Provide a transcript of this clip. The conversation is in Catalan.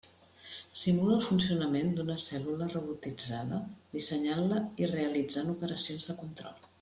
Simula el funcionament d'una cèl·lula robotitzada, dissenyant-la i realitzant operacions de control.